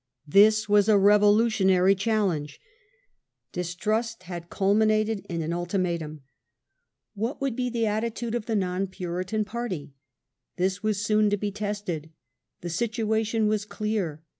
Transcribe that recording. This was a revolutionary challenge. Distrust had culmi THE KING TAKES HIS STAND. 2!7 nated in an ultimatum. What would be the attitude of the non Puritan party? This was soon to be tested. The situation was clear.